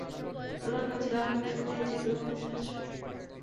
আল্লাহ কাছে লাখ লাখ শুকরিয়া, যে তুমি বেঁচে আছো।